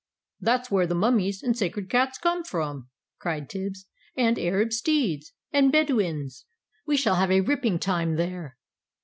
"That's where the mummies and sacred cats come from!" cried Tibbs. "And Arab steeds, and Bedouins! We shall have a ripping time there!"